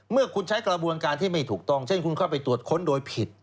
เมื่อคุณใช้กระบวนการที่ไม่ถูกต้องเช่นคุณเข้าไปตรวจค้นโดยผิด